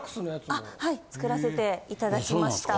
あっはい作らせていただきました。